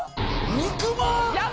肉まん！？